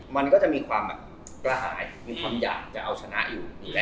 มันก็จะมีความกล่าหายมีความอยากจะเอาชนะอยู่